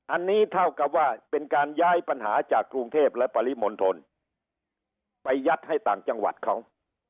อันนี้เท่ากับว่าเป็นการย้ายปัญหาจากกรุงเทพและปริมณฑลไปยัดให้ต่างจังหวัดเขา